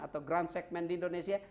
atau ground segmen di indonesia